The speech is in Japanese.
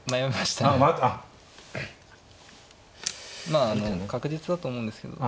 まああの確実だと思うんですけど。